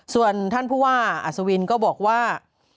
ส่วนท่านผู้ว่าอัศวินก็บอกว่า